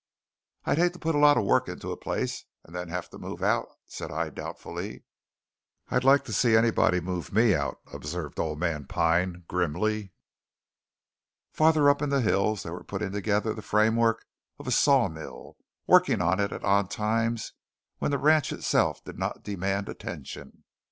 "I'd hate to put a lot of work into a place, and then have to move out," said I doubtfully. "I'd like to see anybody move me out!" observed old man Pine grimly. Farther up in the hills they were putting together the framework of a sawmill, working on it at odd times when the ranch itself did not demand attention.